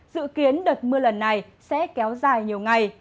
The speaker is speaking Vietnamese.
dự kiến đợt mưa lần này sẽ kéo dài nhiều ngày